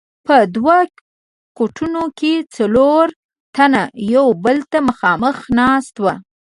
په دوو کټونو کې څلور تنه یو بل ته مخامخ ناست وو.